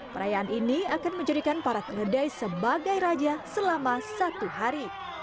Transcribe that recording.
perayaan ini akan menjadikan para keledai sebagai raja selama satu hari